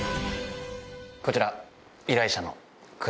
こちら。